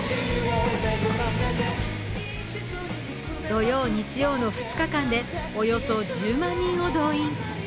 土曜、日曜の２日間でおよそ１０万人を動員。